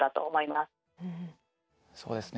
そうですね。